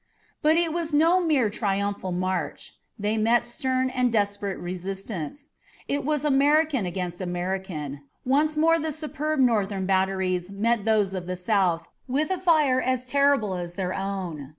But it was no mere triumphal march. They met stern and desperate resistance. It was American against American. Once more the superb Northern batteries met those of the South with a fire as terrible as their own.